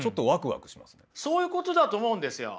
そういうことだと思うんですよ。